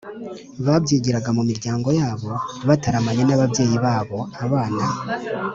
Babyigiraga mu miryango bataramanye n’ababyeyi babo. Abana